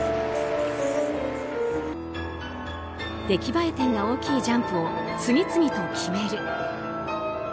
出来栄え点が大きいジャンプを次々と決める。